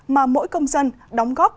mà mỗi công dân đóng góp